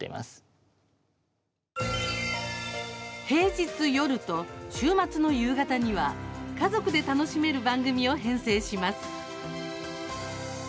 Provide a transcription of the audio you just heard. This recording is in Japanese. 平日夜と週末の夕方には家族で楽しめる番組を編成します。